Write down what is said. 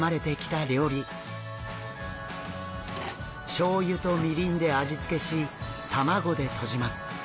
しょうゆとみりんで味付けし卵でとじます。